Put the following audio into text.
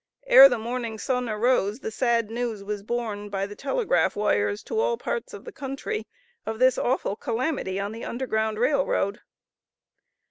Ere the morning sun arose the sad news was borne by the telegraph wires to all parts of the country of this awful calamity on the Underground Rail Road.